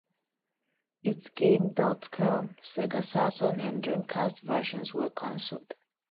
Its Game dot com, Sega Saturn, and Dreamcast versions were cancelled.